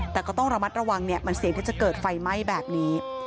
แต่ก็ต้องระมัดระวังเนี่ยมันเสี่ยงที่จะเกิดไฟไหม้แบบนี้